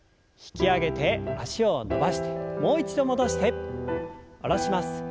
引き上げて脚を伸ばしてもう一度戻して下ろします。